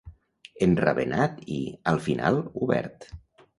Enravenat i, al final, obert.